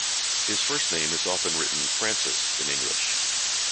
His first name is often written 'Francis' in English.